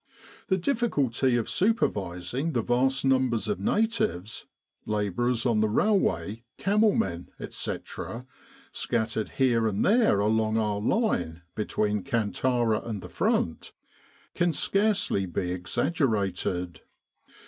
The difficulty of supervising the vast numbers of natives labourers on the railway, camel men, etc. scattered here and there along our line between Kantara and the Front, can scarcely be exaggerated.